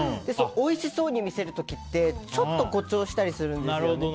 おいしそうに見せる時ってちょっと誇張したりするんですよね。